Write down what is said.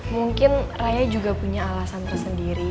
mungkin raya juga punya alasan tersendiri